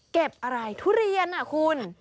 เก็บอะไรทุเรียนคุณ